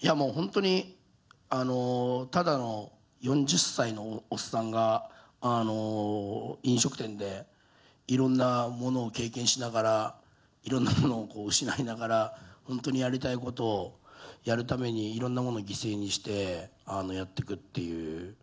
いやもう、本当にただの４０歳のおっさんが、飲食店でいろんなものを経験しながら、いろんなものを失いながら、本当にやりたいことをやるために、いろんなものを犠牲にしてやっていくっていう。